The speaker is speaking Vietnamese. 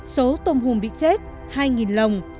số tôm hùm bị chết hai lồng